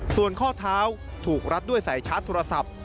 ส่วนข้อเท้าถูกรัดด้วยสายชาร์จโทรศัพท์